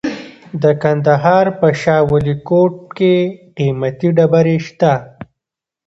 د کندهار په شاه ولیکوټ کې قیمتي ډبرې شته.